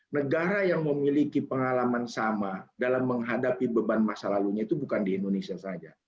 negara yang memiliki pengalaman sama dalam menghadapi beban masa lalunya itu bukan di indonesia saja